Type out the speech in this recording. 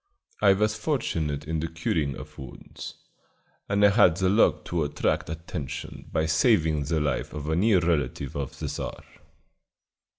I was fortunate in the curing of wounds, and I had the luck to attract attention by saving the life of a near relative of the Czar.